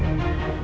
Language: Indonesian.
dia sudah siap